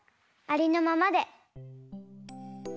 ありのまま。